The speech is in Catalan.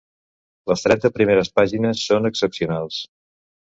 Les trenta primeres pàgines són excepcionals.